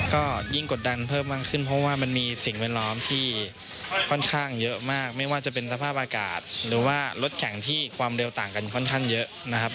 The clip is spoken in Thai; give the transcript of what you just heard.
ก็ยิ่งกดดันเพิ่มมากขึ้นเพราะว่ามันมีสิ่งแวดล้อมที่ค่อนข้างเยอะมากไม่ว่าจะเป็นสภาพอากาศหรือว่ารถแข่งที่ความเร็วต่างกันค่อนข้างเยอะนะครับ